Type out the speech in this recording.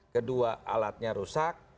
kedua alatnya rusak